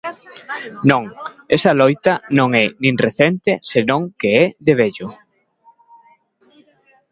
Non, esa loita non é nin recente senón que é de vello.